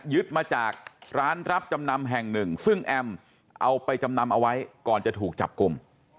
มาจากร้านรับจำนำแห่งหนึ่งซึ่งแอมเอาไปจำนำเอาไว้ก่อนจะถูกจับกลุ่ม